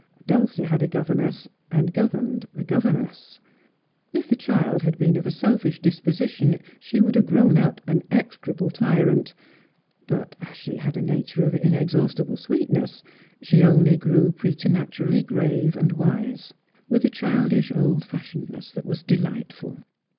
Dulcie had a governess, and governed the governess. If the child had been of a selfish disposition she would have grown up an execrable tyrant. But as she had a nature of inexhaustible sweetness she only grew prGternaturally grave and wise, with a childish old fashionedness that was delightful.